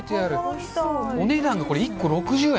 お値段がこれ、１個６０円。